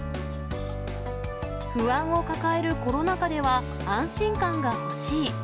不安を抱えるコロナ禍では、安心感が欲しい。